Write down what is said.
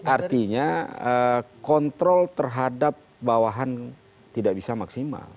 artinya kontrol terhadap bawahan tidak bisa maksimal